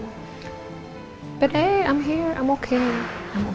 tapi saya di sini saya baik baik saja